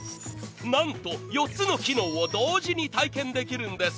なんと４つの機能を同時に体験できるんです。